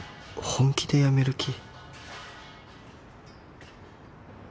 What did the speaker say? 本気でやめる気？